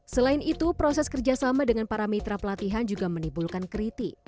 selain itu proses kerjasama dengan para mitra pelatihan juga menimbulkan kritik